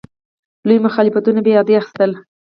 لوی مخالفتونه به یې عادي اخیستل.